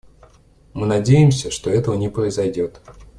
Мы надеемся, что этого не произойдет.